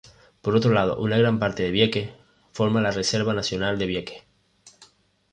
Por otro lado, una gran parte de Vieques forma la Reserva Nacional de Vieques.